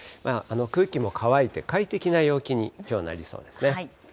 空気も乾いて快適な陽気にきょうはなりそうですね。